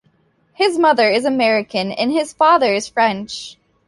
His mother is American and his father French.